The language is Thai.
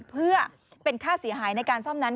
เพื่อเป็นค่าเสียหายในการซ่อมนั้น